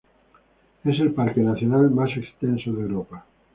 Es el parque nacional más extenso de Europa.